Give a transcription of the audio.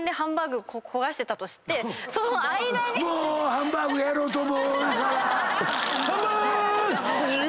ハンバーグやろうと思うから。